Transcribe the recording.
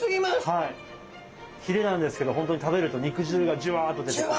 ひれなんですけど本当に食べると肉汁がジュワッと出てくる。